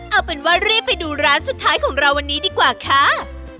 เอาเป็นว่ารีบไปดูร้านสุดท้ายของเราวันนี้ดีกว่าค่ะ